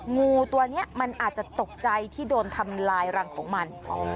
งูตัวนี้มันอาจจะตกใจที่โดนทำลายรังของมัน